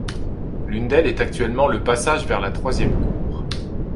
L'une d'elles est actuellement le passage vers la troisième cour.